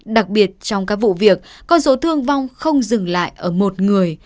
đặc biệt trong các vụ việc con số thương vong không dừng lại ở một người